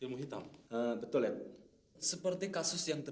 waktunya minum susu dong pak